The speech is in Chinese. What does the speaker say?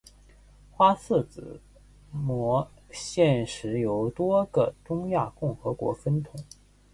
花剌子模现时由多个中亚共和国分统。